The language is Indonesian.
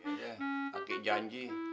ya udah aki janji